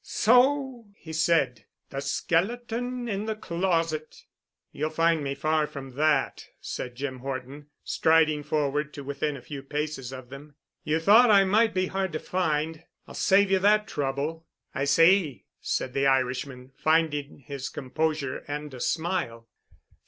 "So," he said, "the skeleton in the closet!" "You'll find me far from that," said Jim Horton, striding forward to within a few paces of them. "You thought I might be hard to find. I'll save you that trouble." "I see," said the Irishman, finding his composure and a smile.